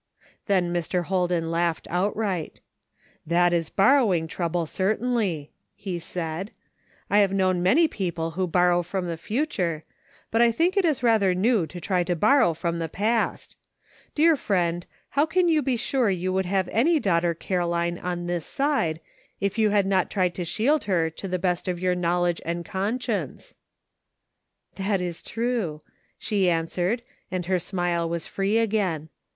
Then Mr. Holden laughed outright. "That is borrowing trouble, certainly," he said. "I have known many ])eople to borrow from the future, but I think it is rather new to try to bor^ ow from the past. Dear friend, how can you be sure you would have any daughter Caro line on this side if you had not tried to shield her to the best of your knowledge and conscience?" *'60 YOU WANT TO GO HOME?'' 163 " That is true," she answered, and her smile was free again.